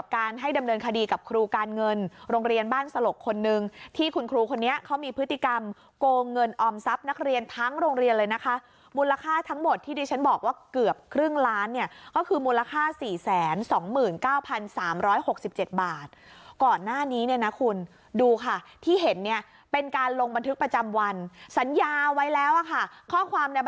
การเงินโรงเรียนบ้านสลกคนนึงที่คุณครูคนนี้เขามีพฤติกรรมโกงเงินออมทรัพย์นักเรียนทั้งโรงเรียนเลยนะคะมูลค่าทั้งหมดที่ดิฉันบอกว่าเกือบครึ่งล้านเนี้ยก็คือมูลค่าสี่แสนสองหมื่นเก้าพันสามร้อยหกสิบเจ็ดบาทก่อนหน้านี้เนี้ยนะคุณดูค่ะที่เห็นเนี้ยเป็นการลงบันทึกประจำวันสัญญาไ